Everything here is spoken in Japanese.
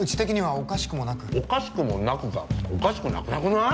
「おかしくもなく」がおかしくなくなくない？